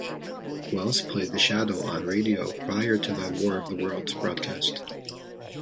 Welles played the Shadow on radio prior to the "War of the Worlds" broadcast.